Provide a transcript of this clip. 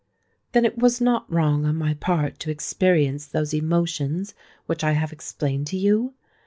"Then it was not wrong on my part to experience those emotions which I have explained to you?"